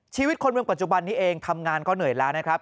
ชีวิตคนเมืองปัจจุบันนี้เองทำงานก็เหนื่อยแล้วนะครับ